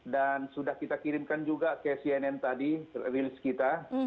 dan sudah kita kirimkan juga ke cnn tadi rilis kita